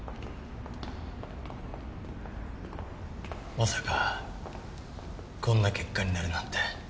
まさかこんな結果になるなんて。